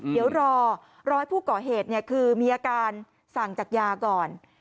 เดี๋ยวรอรอให้ผู้ก่อเหตุคือมีอาการสั่งจากยาก่อน